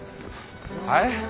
はい？